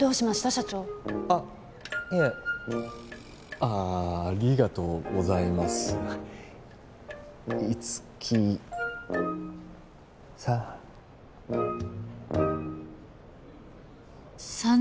社長あっいえありがとうございます五木さん